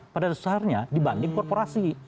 pada dasarnya dibanding korporasi